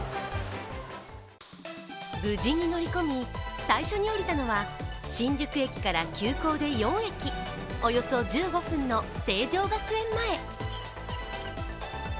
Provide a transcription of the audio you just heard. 無事に乗り込み、最初に降りたのは新宿駅から急行で４駅、およそ１５分の成城学園前。